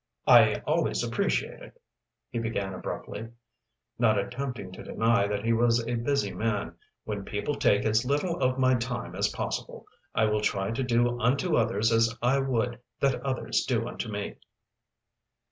"I always appreciate it," he began abruptly, not attempting to deny that he was a busy man, "when people take as little of my time as possible. I will try to do unto others as I would that others do unto me."